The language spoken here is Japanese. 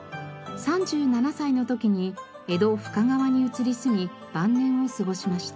３７歳の時に江戸深川に移り住み晩年を過ごしました。